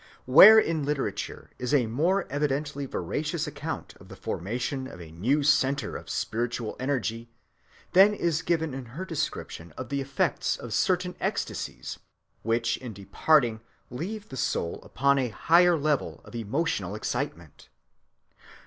Where in literature is a more evidently veracious account of the formation of a new centre of spiritual energy, than is given in her description of the effects of certain ecstasies which in departing leave the soul upon a higher level of emotional excitement?